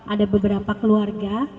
ada beberapa keluarga